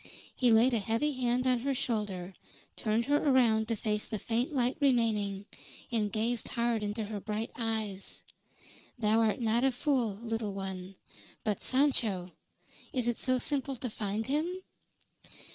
He laid a heavy hand on her shoulder, turned her around to face the faint light remaining, and gazed hard into her bright eyes. "Thou art not a fool, little one. But Sancho is it so simple to find him?"